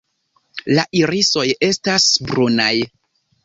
La irisoj estas brunaj.